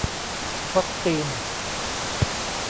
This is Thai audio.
วัคซีน